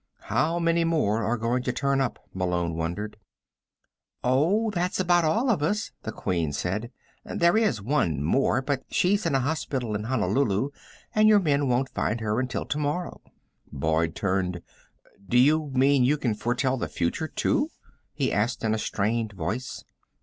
How many more are going to turn up? Malone wondered. "Oh, that's about all of us," the Queen said. "There is one more, but she's in a hospital in Honolulu, and your men won't find her until tomorrow." [Illustration: Sir Thomas Boyd ... looking majestic.] Boyd turned. "Do you mean you can foretell the future, too?" he asked in a strained voice.